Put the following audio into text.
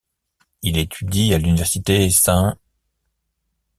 Il étudie à l'Université St.